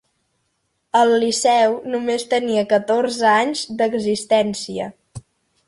El Liceu només tenia catorze anys d'existència.